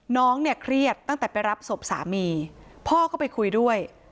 น้องเนี่ยเครียดตั้งแต่ไปรับศพสามีพ่อก็ไปคุยด้วย